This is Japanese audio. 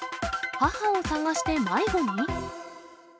母を探して迷子に？